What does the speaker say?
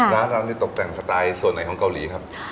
ร้านเรานี่ตกแต่งสไตล์ส่วนไหนของเกาหลีครับ